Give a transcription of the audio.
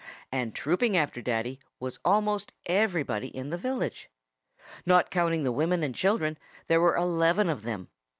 And trooping after Daddy was almost everybody in the village. Not counting the women and children, there were eleven of them.